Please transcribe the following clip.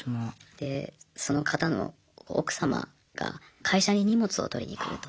でその方の奥様が会社に荷物を取りに来ると。